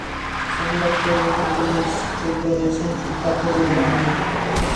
Son bacterias móviles que producen sulfuro de hidrógeno.